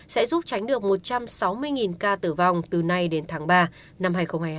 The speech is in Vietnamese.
sẽ giúp tránh được một trăm sáu mươi ca tử vong từ nay đến tháng ba năm hai nghìn hai mươi hai